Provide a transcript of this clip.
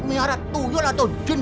miyarat tuyul atau jin